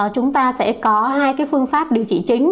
chúng ta sẽ có hai phương pháp điều trị chính